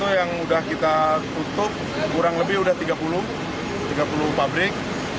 dari dua puluh satu yang sudah kita tutup kurang lebih sudah tiga puluh pabrik